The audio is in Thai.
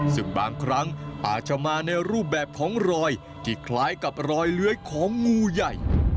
ซึ่งบางครั้งอาจจะมาในรูปแบบของรอยที่คล้ายกับรอยเลื้อยของงูใหญ่